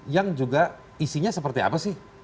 yang juga isinya seperti apa sih